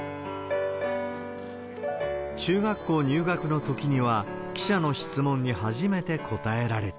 中学校入学のときには、記者の質問に初めて答えられた。